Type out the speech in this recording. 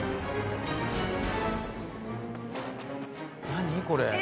何これ？